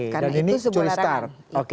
karena itu sebuah larangan